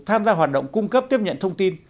tham gia hoạt động cung cấp tiếp nhận thông tin